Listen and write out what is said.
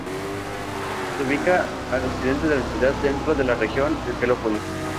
Se ubica al occidente de la entidad, dentro de la región Angelópolis.